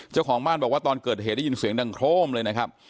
เจ้าของบ้านบอกว่าตอนเกิดเหตุได้ยินเสียงดังโครมเลยนะครับ